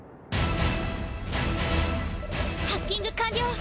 ハッキング完了！